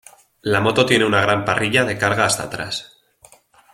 La moto tiene una gran parrilla de carga hasta atrás.